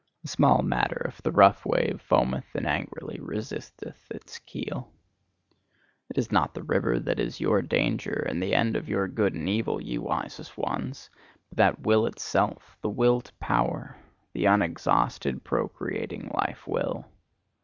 A small matter if the rough wave foameth and angrily resisteth its keel! It is not the river that is your danger and the end of your good and evil, ye wisest ones: but that Will itself, the Will to Power the unexhausted, procreating life will.